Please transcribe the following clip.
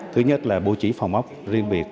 thứ nhất là bố trí phòng óc riêng biệt